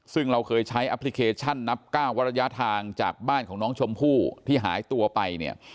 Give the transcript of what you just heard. ซึ่งเราเคยใช้แอปพลิเคชันนับ๙ว่าระยะทางจากบ้านของน้องชมพู่ที่หายตัวไปเนี่ย